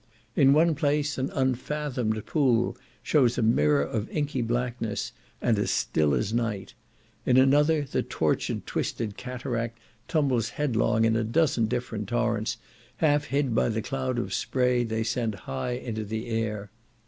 In one place an unfathomed pool shows a mirror of inky blackness, and as still as night; in another the tortured twisted cataract tumbles headlong in a dozen different torrents, half hid by the cloud of spray they send high into the air.